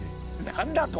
何だと！？